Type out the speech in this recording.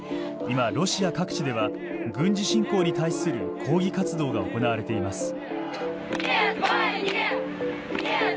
今ロシア各地では軍事侵攻に対する抗議活動が行われています。